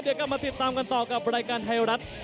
เดี๋ยวกลับมาติดตามกันต่อกับรายการไทยรัฐ